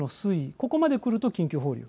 ここまでくると緊急放流。